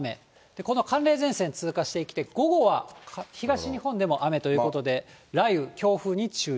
この寒冷前線通過してきて、午後は東日本でも雨ということで、雷雨、強風に注意。